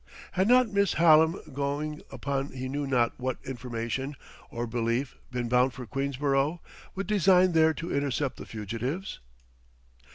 Had not Mrs. Hallam, going upon he knew not what information or belief, been bound for Queensborough, with design there to intercept the fugitives?